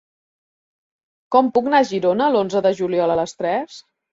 Com puc anar a Girona l'onze de juliol a les tres?